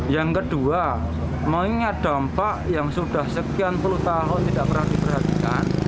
yang kedua mengingat dampak yang sudah sekian puluh tahun tidak pernah diperhatikan